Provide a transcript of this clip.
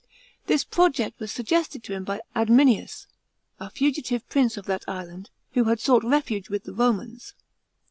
This project was suggested to him by Adminius, a fugitive prince of that island, who had sought retuge with the Romans.